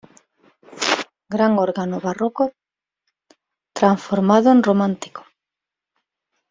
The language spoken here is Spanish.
Gran órgano barroco, transformado en romántico.